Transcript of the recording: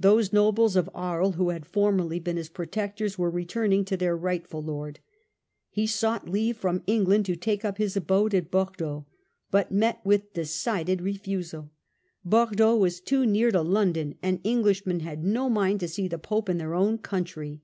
Those nobles of Aries who had formerly been his protectors were returning to their rightful Lord. He sought leave from England to take up his abode at Bordeaux, but met with a decided refusal. Bordeaux was too near to London, and Englishmen had no mind to see the Pope in their own country.